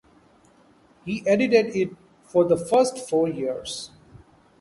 He edited it for the first four years.